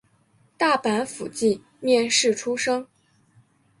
大阪府箕面市出生。